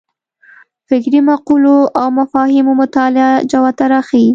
فکري مقولو او مفاهیمو مطالعه جوته راښيي.